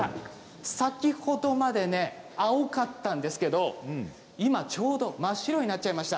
先ほどまで青かったんですけれど今ちょうど真っ白になっちゃいました。